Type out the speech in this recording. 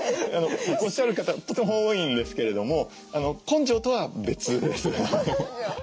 おっしゃる方とても多いんですけれども根性とは別です。